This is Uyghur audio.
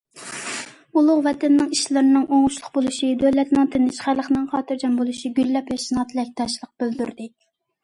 ئۇلۇغ ۋەتەننىڭ ئىشلىرىنىڭ ئوڭۇشلۇق بولۇشى، دۆلەتنىڭ تىنچ، خەلقنىڭ خاتىرجەم بولۇشى، گۈللەپ ياشىنىشىغا تىلەكداشلىق بىلدۈردى!